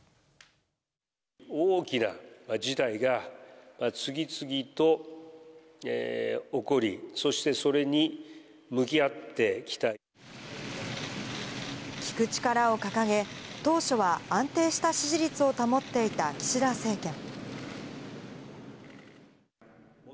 大きな事態が次々と起こり、聞く力を掲げ、当初は安定した支持率を保っていた岸田政権。